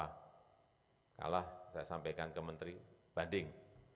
bukan apa apa kalah saya sampaikan ke menteri banding